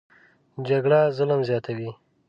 جګړه ظلم زیاتوي